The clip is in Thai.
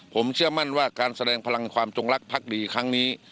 ผมเชื่อมั่นว่าการแสดงพลังความจงรักภักดีครั้งนี้